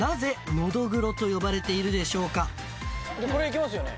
これいけますよね？